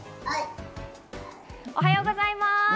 おはようございます。